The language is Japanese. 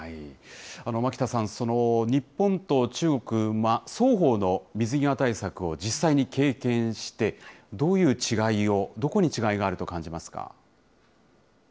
巻田さん、日本と中国、双方の水際対策を実際に経験して、どういう違いを、どこに違いがあると感じますか？